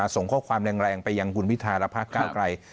ส่งข้อความแรงไปยังหุ่นวิทารภาคเก้ากัย